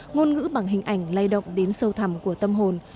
ngôn ngữ bằng hình ảnh lay động đến sâu thẳm của tâm hồn